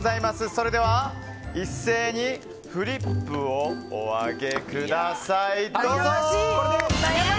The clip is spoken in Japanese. それでは一斉にフリップをお上げください！